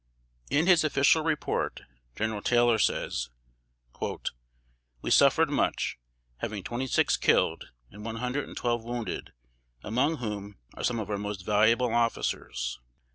In his official report, General Taylor says: "We suffered much, having twenty six killed and one hundred and twelve wounded, among whom are some of our most valuable officers.